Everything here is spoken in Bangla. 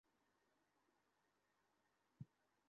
আমরা যদি এখন এ সম্পর্কে কথা বলি তাহলে এটা বড় সমস্যা হয়ে দাঁড়াবে।